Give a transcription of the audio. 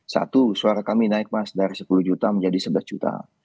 satu suara kami naik mas dari sepuluh juta menjadi sebelas juta